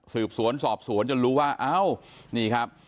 สืบสวนสอบสวนจนรู้ว่าเอ้านี่ครับ